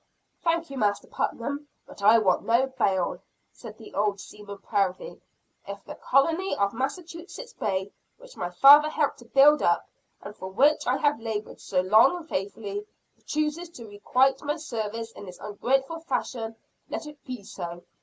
"Thank you, Master Putnam, but I want no bail," said the old seaman proudly. "If the colony of Massachusetts Bay, which my father helped to build up, and for which I have labored so long and faithfully, chooses to requite my services in this ungrateful fashion, let it be so.